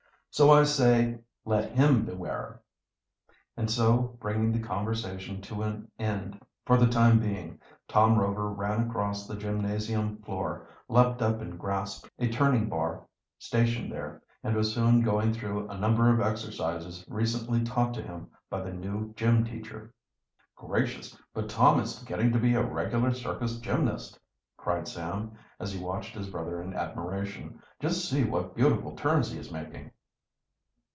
So I say, let him beware!" And so bringing the conversation to an end for the time being, Tom Rover ran across the gymnasium floor, leaped up and grasped a turning bar stationed there, and was soon going through a number of exercises recently taught to him by the new "gym" teacher. "Gracious, but Tom is getting to be a regular circus gymnast!" cried Sam, as he watched his brother in admiration. "Just see what beautiful turns he is making."